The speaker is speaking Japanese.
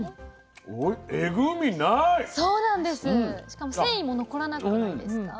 しかも繊維も残らなくないですか？